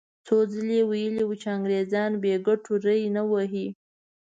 څو ځلې یې ویلي وو چې انګریزان بې ګټو ری نه وهي.